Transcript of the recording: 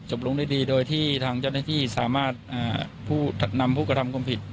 ลงได้ดีโดยที่ทางเจ้าหน้าที่สามารถนำผู้กระทำความผิด